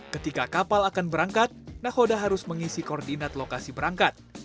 ketika kapal akan berangkat nahoda harus mengisi koordinat lokasi berangkat